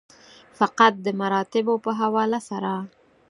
فقط د مراتبو په حواله سره.